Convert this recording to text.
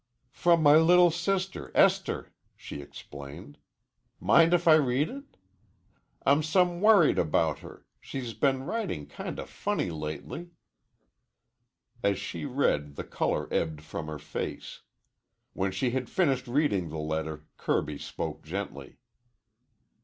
"From my little sister Esther," she explained. "Mind if I read it? I'm some worried about her. She's been writing kinda funny lately." As she read, the color ebbed from her face. When she had finished reading the letter Kirby spoke gently.